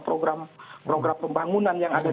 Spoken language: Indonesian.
program pembangunan yang ada